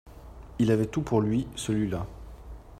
Il avait tout pour lui, celui-la